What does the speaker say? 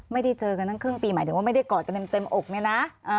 ไม่ได้เจอกันทั้งครึ่งปีหมายถึงว่าไม่ได้กอดกันเต็มอกเนี่ยนะ